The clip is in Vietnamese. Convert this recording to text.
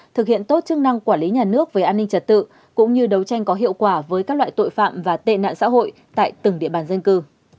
thực hiện tốt chức năng quản lý nhà nước về an ninh trật tự cũng như đấu tranh có hiệu quả với các loại tội phạm và tệ nạn xã hội tại từng địa bàn dân cư